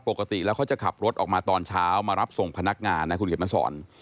ปกติแล้วเขาจะขับรถออกมาตอนเช้ามารับส่งพนักงานนะคุณเขียนมาสอน